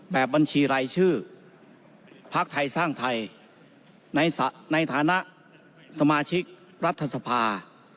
แบบบัญชีรายชื่อพักไทยสร้างไทยในฐานะสมาชิกรัฐสภา